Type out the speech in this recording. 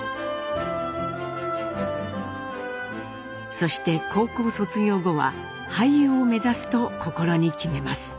そして高校卒業後は俳優を目指すと心に決めます。